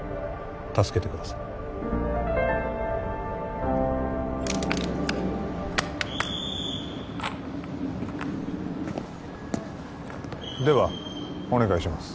助けてくださいではお願いします